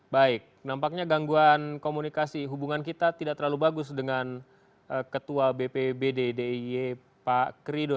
baik nampaknya gangguan komunikasi hubungan kita tidak terlalu bagus dengan ketua bpbd diy pak krido